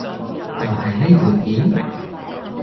就係呢條片？